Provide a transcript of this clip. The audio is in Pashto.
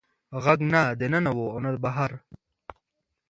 غږ نه د ننه و او نه بهر و.